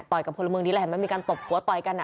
ต่อยกับพลมงดีเลยมันมีการตบกลัวต่อยกัน